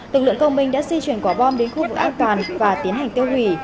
lực lượng công minh đã di chuyển quả bom đến khu vực an toàn và tiến hành tiêu hủy